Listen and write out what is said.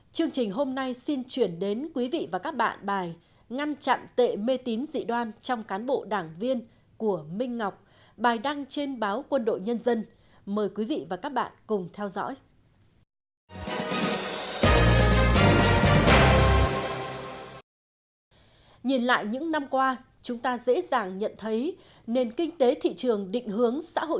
chương trình hôm nay xin chuyển đến quý vị và các bạn bài ngăn chặn tệ mê tín dị đoan trong cán bộ đảng viên của minh ngọc bài đăng trên báo quân đội nhân dân mời quý vị và các bạn cùng theo dõi